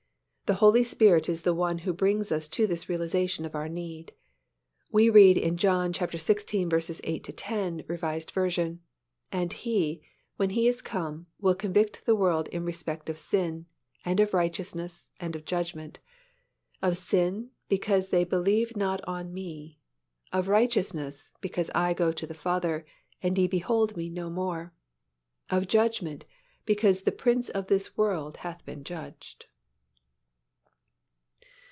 The Holy Spirit is the One who brings us to this realization of our need. We read in John xvi. 8 11, R. V., "And He, when He is come, will convict the world in respect of sin, and of righteousness, and of judgment: of sin, because they believe not on Me; of righteousness, because I go to the Father, and ye behold Me no more; of judgment, because the prince of this world hath been judged."